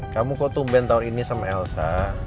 kamu kok tumben tahun ini sama elsa